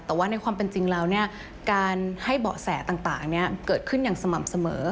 แต่ว่าในความเป็นจริงแล้วการให้เบาะแสต่างเกิดขึ้นอย่างสม่ำเสมอ